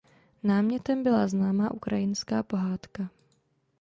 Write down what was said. Námětem byla známá ukrajinské pohádka.